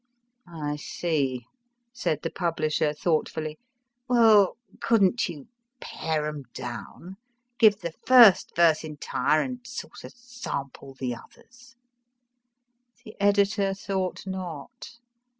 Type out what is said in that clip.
I see, said the publisher thoughfully \vell, couldn t you pare em down ; give the first verse entire and sorter sample the others ? The editor thought not.